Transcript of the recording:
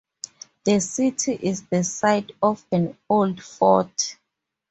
The city is the site of an old fort.